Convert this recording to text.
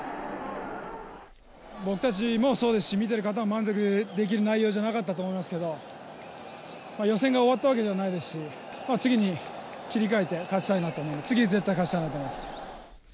僕たちもそうですし、見てる方も満足できる内容じゃなかったと思いますけど、予選が終わったわけではないですし、次に切り替えて、勝ちたいなと、次、絶対勝ちたいなと思います。